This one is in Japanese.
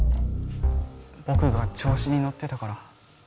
ぼくが調子にのってたから。